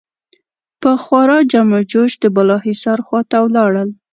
په خورا جم و جوش د بالاحصار خوا ته ولاړل.